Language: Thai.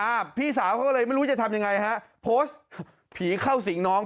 พี่สาวเขาก็เลยไม่รู้จะทำยังไงฮะโพสต์ผีเข้าสิงน้อง